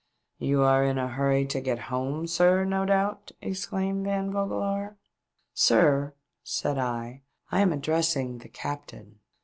"You are in a hurry to get hon.^, sir, no doubt ?" exclaimed Van V^ogelaar. "Sir," said I, "I am addressing the captain."